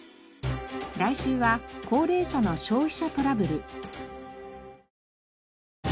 来週は高齢者の消費者トラブル。